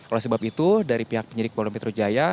oleh sebab itu dari pihak penyidik polda metro jaya